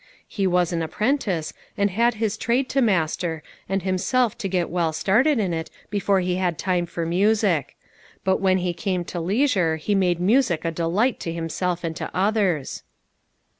He was an apprentice, and had his trade to master, and himself to get well started in it before he had time for music ; but when he came to leis ure, he made music a delight to himself and to others."